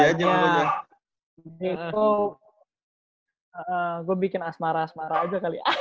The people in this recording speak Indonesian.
nah itu gua bikin asmara asmara aja kali